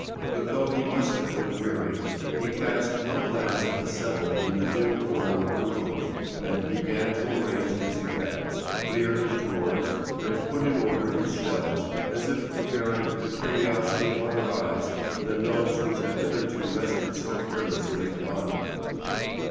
But though he must have been weary, he cast no glance at the settle in the dim corner of the room, but began to arrange his effects, clear his drawers, and put in order his shelves, as if preparing for the curiosity of other eyes than those which had hitherto rested so carelessly upon them.